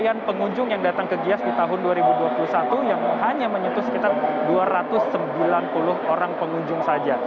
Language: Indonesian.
kemudian pengunjung yang datang ke gias di tahun dua ribu dua puluh satu yang hanya menyentuh sekitar dua ratus sembilan puluh orang pengunjung saja